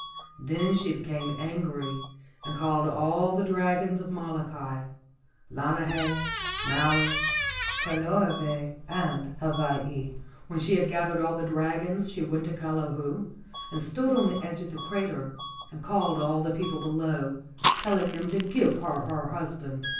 Then she became angry and called all the dragons of Molokai, Lanai, Maui, Kahoolawe, and Hawaii. When she had gathered all the dragons she went up to Kilauea and stood on the edge of the crater and called all the people below, telling them to give her the husband.